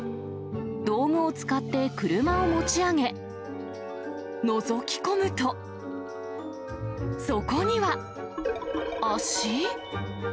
道具を使って車を持ち上げ、のぞき込むと、そこには。脚？